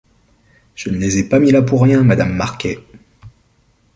Je ne les ai pas mis là pour rien, Madame Marquet.